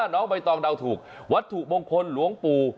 น้องใบตองเดาถูกวัตถุมงคลหลวงปู่